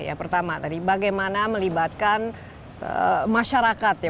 ya pertama tadi bagaimana melibatkan masyarakat ya